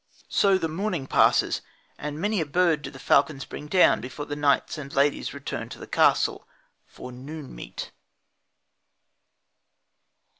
So the morning passes, and many a bird do the falcons bring down before the knights and ladies return to the castle for "noon meat."